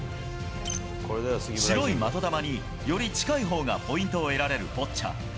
白い的球に、より近いほうがポイントを得られるボッチャ。